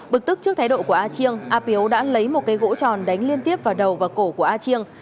bực tức trước thái độ của a chiêng a piếu đã lấy một cây gỗ tròn đánh liên tiếp vào đầu và cổ của a chiêng